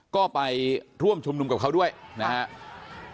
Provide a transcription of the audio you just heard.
ก็ไปร่วมชุมนุมกับเขาด้วยนะครับ